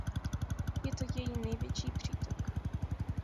Je to její největší přítok.